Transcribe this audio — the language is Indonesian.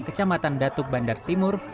kecamatan datuk bandar timur